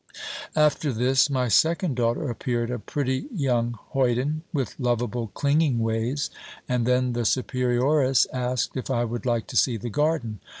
After this my second daughter appeared a pretty young hoyden, with lovable clinging ways; and then the superioress asked if I would like to see the garden.